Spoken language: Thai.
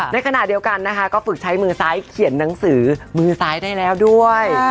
ในขณะเดียวกันนะคะก็ฝึกใช้มือซ้ายเขียนหนังสือมือซ้ายได้แล้วด้วย